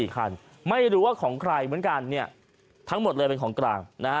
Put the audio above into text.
๔คันไม่รู้ว่าของใครเหมือนกันเนี่ยทั้งหมดเลยเป็นของกลางนะฮะ